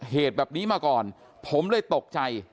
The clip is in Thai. เหตุแบบนี้มาก่อนผมเลยตกใจ